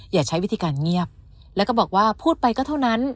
อย่าใช้วิธีการเงียบแล้วก็บอกว่าพูดไปก็เท่านั้น